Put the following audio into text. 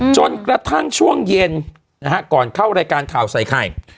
จนกระทั่งช่วงเย็นนะฮะก่อนเข้ารายการข่าวใส่ไข่